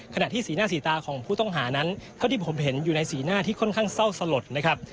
ที่สีหน้าสีตาของผู้ต้องหานั้นเท่าที่ผมเห็นอยู่ในสีหน้าที่ค่อนข้างเศร้าสลดนะครับ